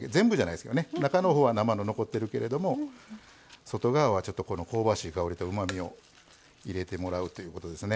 中のほうは生の残ってるけれども外側は香ばしい香りとうまみを入れてもらうということですね。